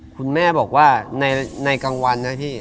คุณแม่บอกว่าในกลางวันนะพี่